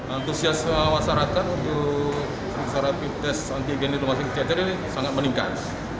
antusias masyarakat untuk rapid test antigen di rumah sakit siti hajar ini sangat meningkat